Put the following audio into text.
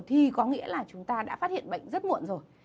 thì có nghĩa là chúng ta đã phát hiện bệnh rất muộn rồi